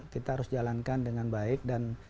kita harus jalankan dengan baik dan